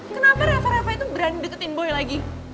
kenapa reva reva itu berani deketin boy lagi